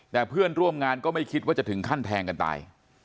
แต่เพื่อนร่วมงานก็ไม่คิดว่าจะถึงขั้นแทงกันตาย